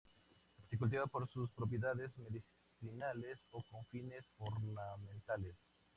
Se cultiva por sus propiedades medicinales o con fines ornamentales.